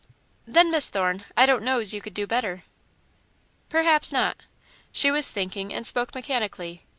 "Then, Miss Thorne, I don't know's you could do better." "Perhaps not." She was thinking, and spoke mechanically.